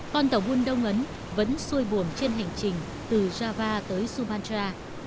con tàu buôn đông ấn vẫn xôi buồn trên hành trình từ java tới sumatra